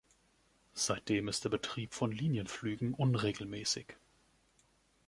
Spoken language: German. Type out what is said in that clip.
Seitdem ist der Betrieb von Linienflügen unregelmäßig.